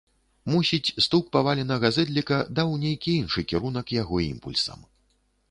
Мусіць, стук паваленага зэдліка даў нейкі іншы кірунак яго імпульсам.